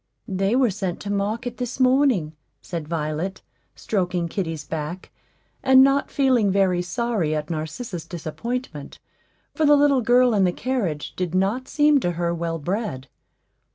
"They were sent to market this morning," said Violet, stroking kitty's back, and not feeling very sorry at Narcissa's disappointment, for the little girl in the carriage did not seem to her well bred.